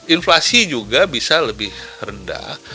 inflasi juga bisa lebih rendah